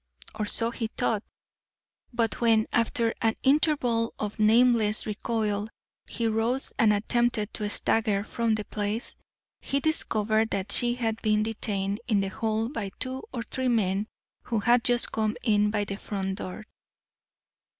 Or so he thought. But when, after an interval of nameless recoil, he rose and attempted to stagger from the place, he discovered that she had been detained in the hall by two or three men who had just come in by the front door.